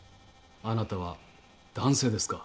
あなたは男性ですか？